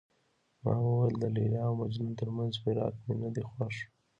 ما وویل د لیلا او مجنون ترمنځ فراق مې نه دی خوښ.